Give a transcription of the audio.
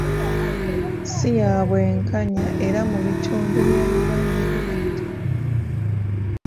Si ya bwenkanya era mu bitundu bya Uganda ebirala teriiyo.